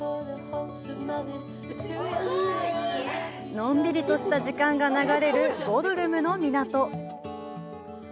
のんびりとした時間が流れるボドルムの港。